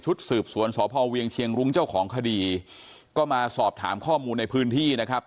สืบสวนสพเวียงเชียงรุ้งเจ้าของคดีก็มาสอบถามข้อมูลในพื้นที่นะครับ